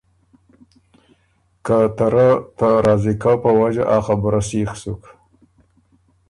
که ته رۀ ته راضی کؤ په وجه آ خبُره سیخ سُک